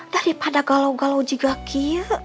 daripada galau galau gigak gigak